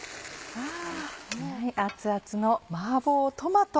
熱々のマーボートマト。